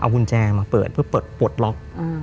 กุญแจมาเปิดเพื่อเปิดปลดล็อก